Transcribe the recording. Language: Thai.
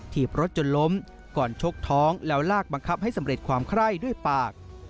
ถีบรถจนล้มก่อนชกท้องแล้วลากบังคับให้สำเร็จความไคร้ด้วยปาก